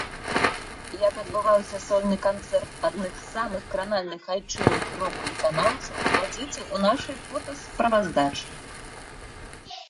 Як адбываўся сольны канцэрт адных з самых кранальных айчынных рок-выканаўцаў глядзіце ў нашай фотасправаздачы.